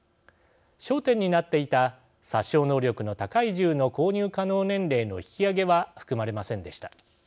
焦点になっていた殺傷能力の高い銃の購入可能年齢の引き上げは含まれませんでした。